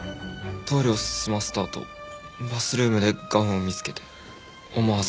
トイレを済ませたあとバスルームでガウンを見つけて思わず。